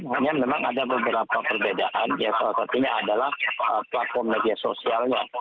hanya memang ada beberapa perbedaan ya salah satunya adalah platform media sosialnya